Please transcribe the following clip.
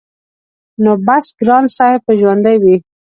نو بس ګران صاحب به ژوندی وي-